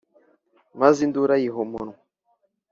maze induru ayiha amunwa,